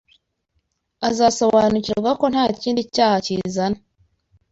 azasobanukirwa ko nta kindi icyaha kizana